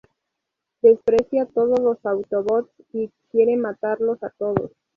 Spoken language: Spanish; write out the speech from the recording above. Desprecia todos los Autobots, y quiere matarlos a todos.